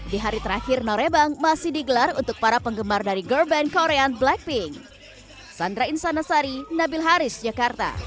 di hari terakhir norebang masih digelar untuk para penggemar dari girlband korea blackpink